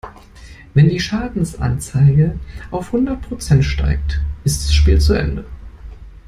Wenn die Schadensanzeige auf hundert Prozent steigt, ist das Spiel zu Ende.